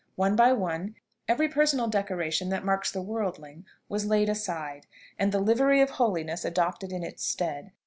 One by one, every personal decoration that marks the worldling was laid aside, and the livery of holiness adopted in its stead.